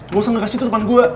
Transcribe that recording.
gak usah ngegas gitu depan gue